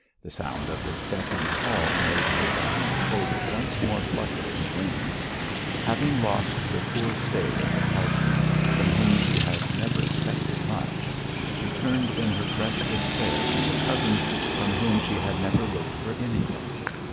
The sound of his step in the hall made her dying hope once more flutter its wings: having lost the poor stay of the parson, from whom she had never expected much, she turned in her fresh despair to the cousin from whom she had never looked for anything.